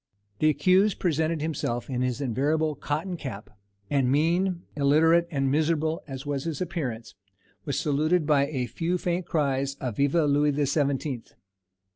The accused presented himself in his invariable cotton cap; and mean, illiterate, and miserable as was his appearance, was saluted by a few faint cries of "_Vive Louis the Seventeenth!